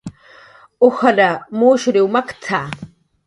"Ujar mushriw makt""a"